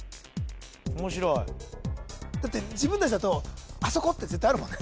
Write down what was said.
面白いだって自分達だとあそこって絶対あるもんね